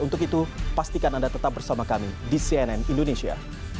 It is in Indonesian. untuk itu pastikan anda tetap bersama kami di cnn indonesia